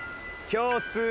共通。